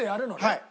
はい。